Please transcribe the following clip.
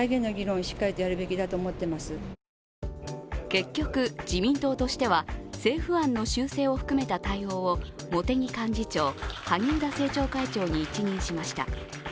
結局、自民党としては政府案の修正を含めた対応を茂木幹事長、萩生田政調会長に一任しました。